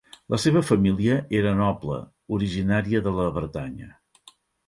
La seva família era noble originària de la Bretanya.